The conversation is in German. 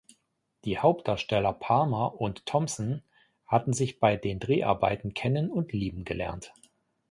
Die Hauptdarsteller Palmer und Thompson hatten sich bei den Dreharbeiten kennen und lieben gelernt.